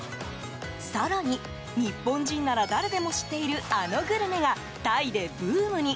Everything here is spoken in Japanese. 更に、日本人なら誰でも知っているあのグルメがタイでブームに。